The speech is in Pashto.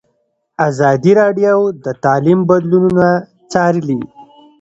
ازادي راډیو د تعلیم بدلونونه څارلي.